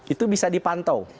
itu bisa dipantau